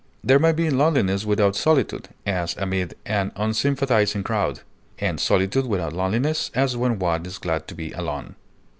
There may be loneliness without solitude, as amid an unsympathizing crowd, and solitude without loneliness, as when one is glad to be alone.